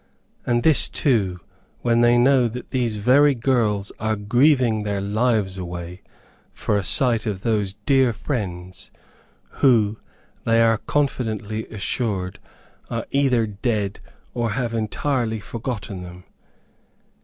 And this too, when they know that these very girls are grieving their lives away, for a sight of those dear friends, who, they are confidently assured, are either dead, or have entirely forgotten them!